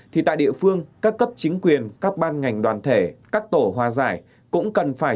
thì tại địa phương các cấp chính quyền các ban ngành đoàn thể các tổ hòa giải cũng cần phải